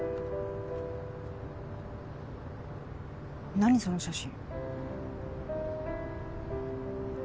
何その写真。